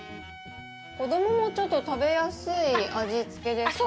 子供もちょっと食べやすい味付けですね。